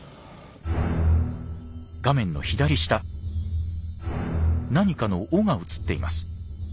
画面の左下何かの尾が写っています。